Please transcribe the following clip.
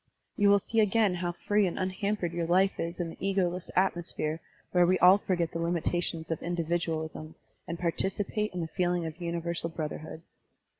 You will see again how free and unhampered your life is in the ego less atmosphere where we all forget the limitations of individualism and participate in the feeling of universal brotherhood."